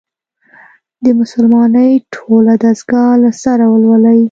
د «مسلمانۍ ټوله دستګاه» له سره ولولي.